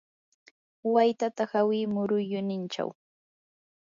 waytata hawi muyurinninchaw.